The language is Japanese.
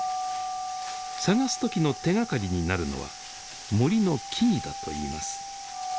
探す時の手がかりになるのは森の木々だといいます。